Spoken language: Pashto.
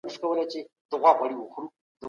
ما تېره ورځ د افغانستان په سرحدونو یو کتاب ولوستی.